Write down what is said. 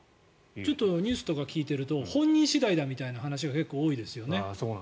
ちょっとニュースとか聞いてると本人次第だみたいな話が結構多いですよね。